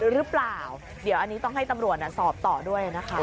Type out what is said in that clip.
หรือเปล่าเดี๋ยวอันนี้ต้องให้ตำรวจสอบต่อด้วยนะคะ